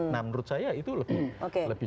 nah menurut saya itu lebih